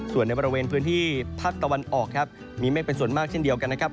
ส่วนในบริเวณพื้นที่ภาคตะวันออกครับมีเมฆเป็นส่วนมากเช่นเดียวกันนะครับ